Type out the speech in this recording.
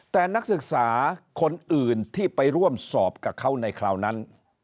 แต่นักศึกษาคนอื่นที่ไปร่วมสอบกับเขาในคราวนั้น